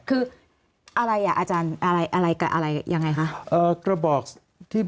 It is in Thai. คืออะไรอ่ะอาจารย์อะไรยังไงคะ